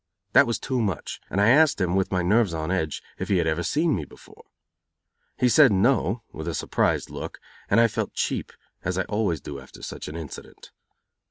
That was too much, and I asked him, with my nerves on edge, if he had ever seen me before. He said "No", with a surprised look, and I felt cheap, as I always do after such an incident.